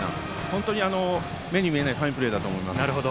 本当に目に見えないファインプレーだと思います。